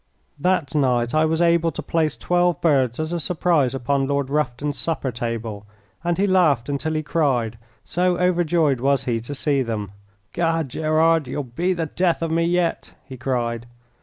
That night I was able to place twelve birds as a surprise upon Lord Rufton's supper table, and he laughed until he cried, so overjoyed was he to see them. "Gad, Gerard, you'll be the death of me yet!" he cried.